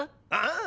ああ。